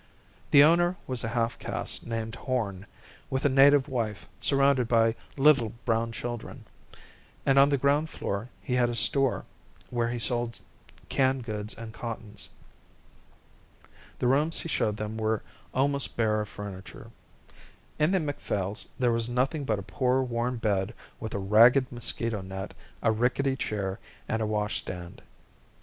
The owner was a half caste named Horn, with a native wife surrounded by little brown children, and on the ground floor he had a store where he sold canned goods and cottons. The rooms he showed them were almost bare of furniture. In the Macphails' there was nothing but a poor, worn bed with a ragged mosquito net, a rickety chair, and a washstand.